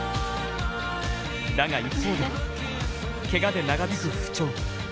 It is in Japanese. だが一方で、けがで長引く不調。